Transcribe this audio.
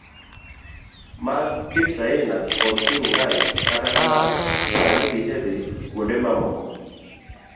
mag Kipsaina kod Surungai, kata kamano, sani gisedhi kuonde mamoko.